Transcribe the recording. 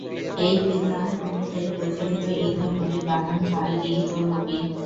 এই বিধান অনুযায়ী প্রচলিত ঈদ ও নবী বানান হয় ইদ ও নবি।